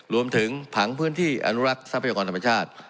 รวมถึงผังพื้นที่อนุรักษ์ทรัพยากรธรรมชาติ